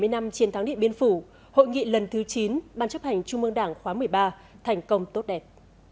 bảy mươi năm chiến thắng điện biên phủ hội nghị lần thứ chín ban chấp hành trung mương đảng khóa một mươi ba thành công tốt đẹp